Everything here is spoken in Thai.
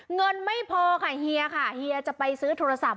เงินไม่พอค่ะเฮียค่ะเฮียจะไปซื้อโทรศัพท์